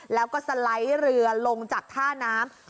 แล้วก็สไลด์เรือลงจากท่าน้ำ